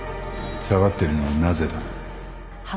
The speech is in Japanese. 下がってるのはなぜだ